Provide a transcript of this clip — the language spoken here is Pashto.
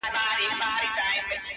خوراک وکړې